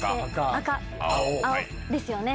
赤青ですよね。